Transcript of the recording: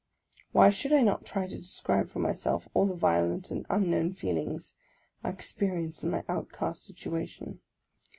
Why should I not try to describe for myself all the violent and uifknown feelings I experience in my out cast situation